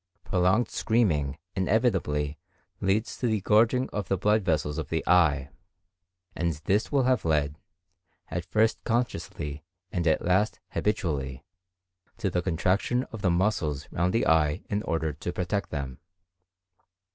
Prolonged screaming inevitably leads to the gorging of the blood vessels of the eye; and this will have led, at first consciously and at last habitually, to the contraction of the muscles round the eyes in order to protect them.